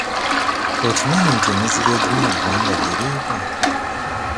Okimanyi nti emiziro egimu mu ggwanga giriibwa?